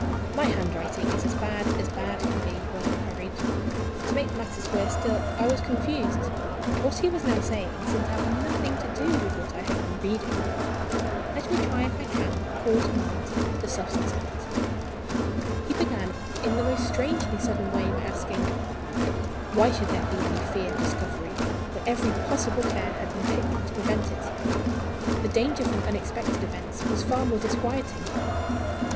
My handwriting is as bad as bad can be when I am hurried. To make matters worse still, I was confused. What he was now saying seemed to have nothing to do with what I had been reading. Let me try if I can call to mind the substance of it. He began in the most strangely sudden way by asking: "Why should there be any fear of discovery, when every possible care had been taken to prevent it? The danger from unexpected events was far more disquieting.